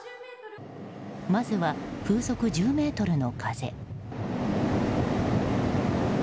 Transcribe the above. まずは、風速１０メートルの風。